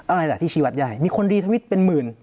อะไรล่ะที่ชีวัดใหญ่มีคนรีทวิตเป็นหมื่น